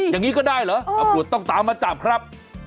อย่างนี้ก็ได้เหรอตำรวจต้องตามมาจับครับ